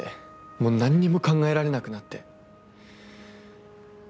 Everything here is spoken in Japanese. もう何にも考えられなくなって。